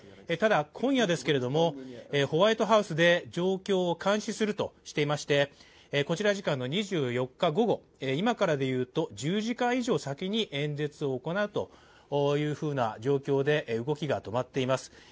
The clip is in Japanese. ただ、今夜ですけれども、ホワイトハウスで状況を監視するとしていましてこちら時間の２４日午後今からでいうと１０時間以上先に演説を行うというふうな状況で動きが止まっています。